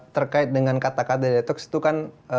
terkait dengan kata kata detox itu kan